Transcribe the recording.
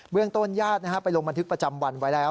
เรื่องต้นญาติไปลงบันทึกประจำวันไว้แล้ว